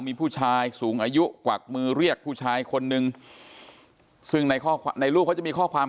มีผู้ชายสูงอายุกวักมือเรียกผู้ชายคนนึงซึ่งในข้อในรูปเขาจะมีข้อความ